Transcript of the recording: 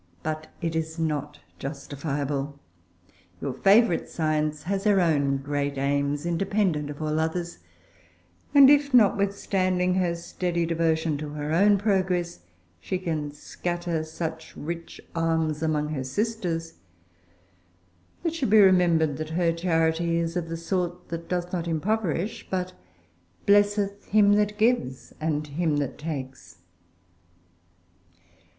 But it is not justifiable. Your favourite science has her own great aims independent of all others; and if, notwithstanding her steady devotion to her own progress, she can scatter such rich alms among her sisters, it should be remembered that her charity is of the sort that does not impoverish, but "blesseth him that gives and him that takes."